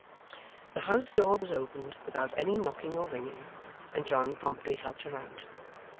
The house door was opened without any knocking or ringing, and John promptly helped her out.